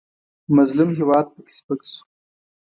مظلوم هېواد پکې سپک شو.